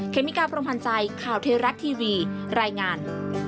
เมกาพรมพันธ์ใจข่าวเทราะทีวีรายงาน